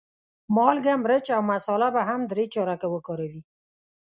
مالګه، مرچ او مساله به هم درې چارکه وکاروې.